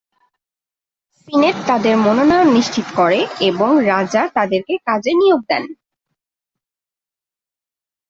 Senate তাদের মনোনয়ন নিশ্চিত করে এবং রাজা তাদেরকে কাজে নিয়োগ দেন।